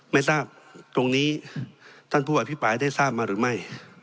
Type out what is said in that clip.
ไม่ทราบตรงนี้ท่านผู้อภิปรายได้ทราบมาหรือไม่